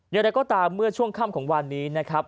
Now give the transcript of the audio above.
อย่างไรก็ตามเมื่อช่วงค่ำของวันนี้นะครับ